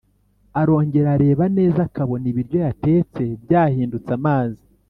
arongera areba neza akabona ibiryo yatetse byahindutse amazi